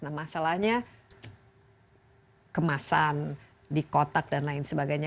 nah masalahnya kemasan di kotak dan lain sebagainya